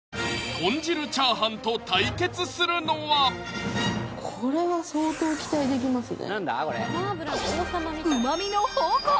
豚汁チャーハンと対決するのはこれは相当期待できますね